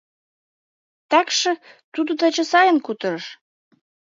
— Такше тудо таче сайын кутырыш.